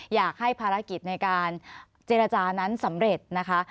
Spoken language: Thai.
อยากให้ภารกิจในการเจรจานั้นสำเร็จนะคะ